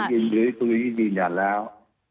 ยืนหรือทุกอย่างที่ยืนยันแล้ว